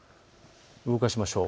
動かしましょう。